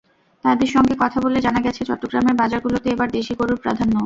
তাঁদের সঙ্গে কথা বলে জানা গেছে, চট্টগ্রামের বাজারগুলোতে এবার দেশি গরুর প্রাধান্য।